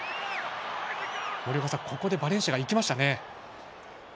森岡さん、ここでバレンシアが行きましたね。